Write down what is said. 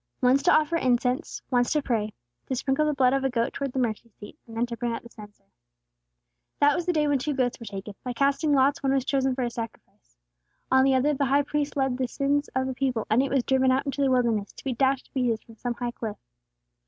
Once to offer incense, once to pray, to sprinkle the blood of a goat towards the mercy seat, and then to bring out the censer. That was the day when two goats were taken; by casting lots one was chosen for a sacrifice. On the other the High Priest laid the sins of the people, and it was driven out into the wilderness, to be dashed to pieces from some high cliff.